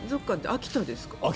秋田です。